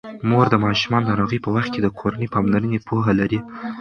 مور د ماشومانو د ناروغۍ په وخت د کورني پاملرنې پوهه لري.